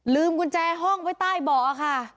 กุญแจห้องไว้ใต้เบาะค่ะ